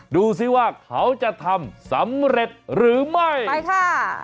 ดูสิว่าเขาจะทำสำเร็จหรือไม่ไปค่ะ